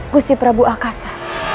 gusti prabu akasa